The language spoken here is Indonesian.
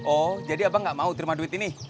oh jadi abang gak mau dima duit ini